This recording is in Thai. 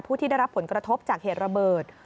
ที่ได้รับผลกระทบจากเหตุระเบิด